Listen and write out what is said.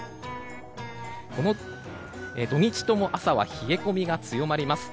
土日とも朝は冷え込みが強まります。